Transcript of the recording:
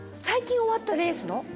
最近終わったレースの？